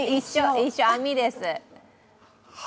一緒、網です。